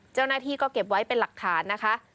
เจ้าหน้าที่ก็เก็บไว้เป็นหลักฐานนะคะ